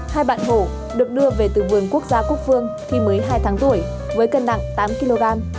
hai bạn hổ được đưa về từ vườn quốc gia quốc phương khi mới hai tháng tuổi với cân nặng tám kg